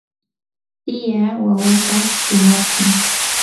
tiyaa wawata shumaqtsin.